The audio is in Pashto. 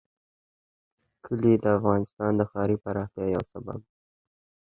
کلي د افغانستان د ښاري پراختیا یو سبب دی.